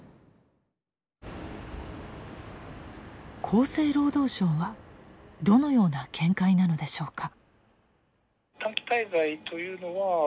厚生労働省はどのような見解なのでしょうか。